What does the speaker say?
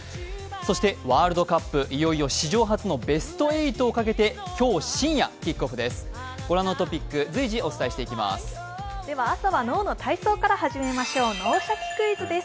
そしてワールドカップ、いよいよ史上初のベスト８をかけて今日深夜、キックオフです。